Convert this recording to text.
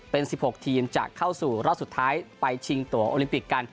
เป็น๑๖ทีมจะเข้าสู่รอบสุดท้ายไปชิงตัวโอลิมปิกกัน